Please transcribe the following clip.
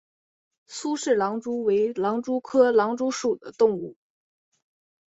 苏氏狼蛛为狼蛛科狼蛛属的动物。